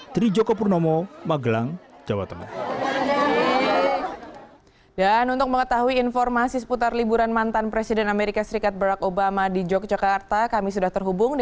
teri joko purnomo magelang jawa tengah